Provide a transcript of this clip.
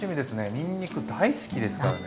にんにく大好きですからね。